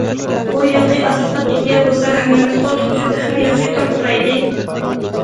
بۇ يىلقى ئاساسلىق ئىدىيە بولسا« ھەممىمىز قول تۇتۇشۇپ تېخىمۇ ياخشى تور قۇرايلى».